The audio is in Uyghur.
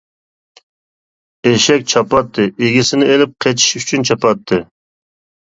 ئېشەك چاپاتتى، ئىگىسىنى ئېلىپ قېچىش ئۈچۈن چاپاتتى.